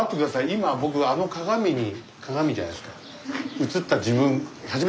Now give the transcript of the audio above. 今僕あの鏡に鏡じゃないですか。